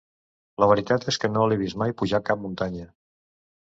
La veritat és que no l'he vist mai pujar cap muntanya.